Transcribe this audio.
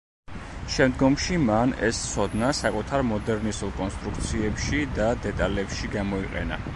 შემდგომში, მან ეს ცოდნა საკუთარ მოდერნისტულ კონსტრუქციებში და დეტალებში გამოიყენა.